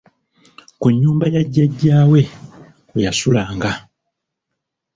Ku nnyumba ya jjajja we kwe yasulanga.